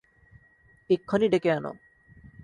এক্ষনি ডেকে আনো।